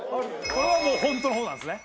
これはもう本当の方なんですね。